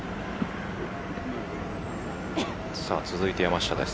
続いて山下です。